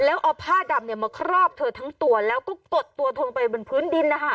แล้วเอาผ้าดำมาครอบเธอทั้งตัวแล้วก็กดตัวทงไปบนพื้นดินนะคะ